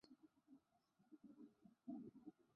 曾担任宜兰县第七及八届县长。